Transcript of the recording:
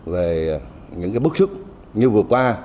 về những cái bức xúc như vừa qua